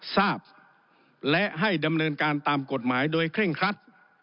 ทราบและให้ดำเนินการตามกฎหมายโดยเคร่งครัด